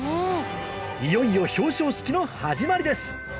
いよいよ表彰式の始まりです